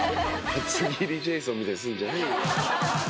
「厚切りジェイソンみたいにすんじゃねえよ」